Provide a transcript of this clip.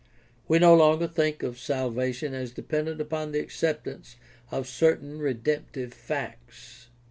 We no longer think of salvation as dependent upon the acceptance of certain redemptive facts.